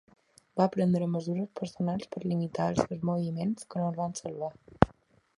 Va prendre mesures personals per limitar els seus moviments que no el van salvar.